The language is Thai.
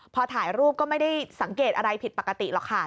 พอถ่ายรูปก็ไม่ได้สังเกตอะไรผิดปกติหรอกค่ะ